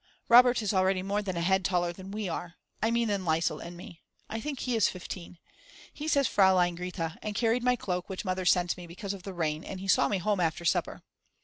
Robert is already more than a head taller than we are, I mean than Liesel and me; I think he is fifteen. He says Fraulein Grete and carried my cloak which Mother sent me because of the rain and he saw me home after supper.